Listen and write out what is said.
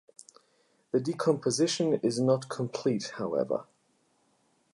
The decomposition is not complete, however.